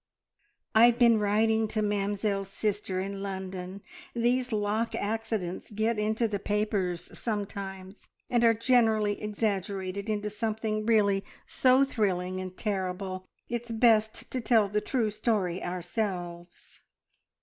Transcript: "I've been writing to Mamzelle's sister in London. These lock accidents get into the papers sometimes, and are generally exaggerated into something really so thrilling and terrible. It's best to tell the true story ourselves."